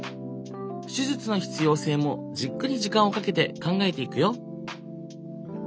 手術の必要性もじっくり時間をかけて考えていくよ。